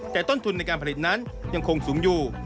แต่ต้นทุนในการผลิตนั้นยังคงสูงอยู่